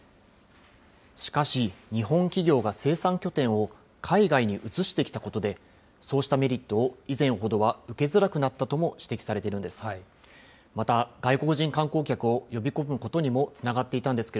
しかし、日本企業が生産拠点を海外に移してきたことで、そうしたメリットを以前ほどは受けづらくなったとも指摘されているんです。